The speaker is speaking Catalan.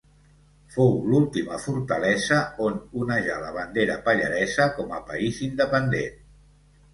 Fou l'última fortalesa on onejà la bandera pallaresa com a país independent.